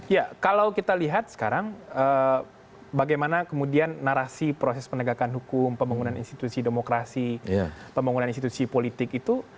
ya kalau kita lihat sekarang bagaimana kemudian narasi proses penegakan hukum pembangunan institusi demokrasi pembangunan institusi politik itu